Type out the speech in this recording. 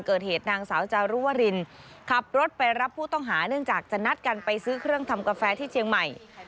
เกิดเหตุนางสาวจารุวรินขับรถไปรับผู้ต้องหาเนื่องจากจะนัดกันไปซื้อเครื่องทำกาแฟที่เชียงใหม่